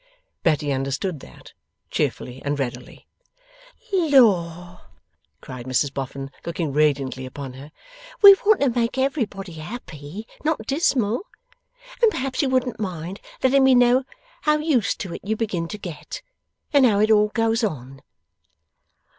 Betty undertook that, cheerfully and readily. 'Lor,' cried Mrs Boffin, looking radiantly about her, 'we want to make everybody happy, not dismal! And perhaps you wouldn't mind letting me know how used to it you begin to get, and how it all goes on?